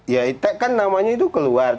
ya kan namanya itu keluar